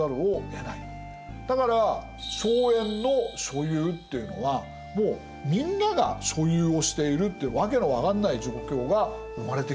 だから荘園の所有っていうのはもうみんなが所有をしているっていう訳の分かんない状況が生まれてきちゃうんです。